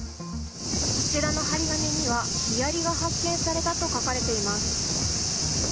こちらの貼り紙には、ヒアリが発見されたと書かれています。